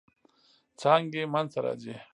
څانګې منځ ته راځي.